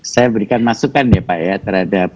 saya berikan masukan ya pak ya terhadap